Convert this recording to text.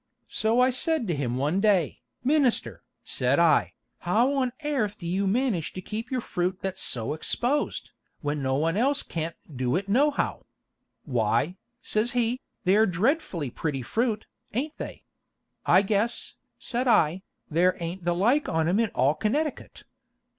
So I said to him one day, 'Minister,' said I, 'how on airth do you manage to keep your fruit that's so exposed, when no one else can't do it nohow?' 'Why,' says he, 'they are dreadfully pretty fruit, ain't they?' 'I guess,' said I, 'there ain't the like on 'em in all Connecticut.'